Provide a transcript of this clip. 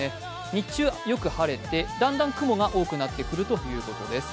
日中よく晴れて、だんだん雲が多くなってくるということです。